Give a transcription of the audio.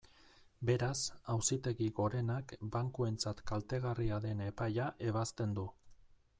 Beraz, Auzitegi Gorenak bankuentzat kaltegarria den epaia ebazten du.